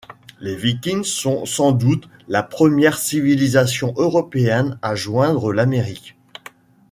Les Vikings sont sans doute la première civilisation européenne à joindre l'Amérique.